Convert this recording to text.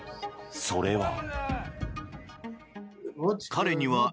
それは。